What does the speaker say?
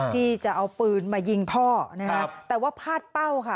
ที่จะเอาปืนมายิงพ่อนะฮะแต่ว่าพาดเป้าค่ะ